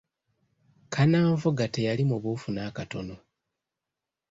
Kannanvuga teyali mubuufu n'akatono.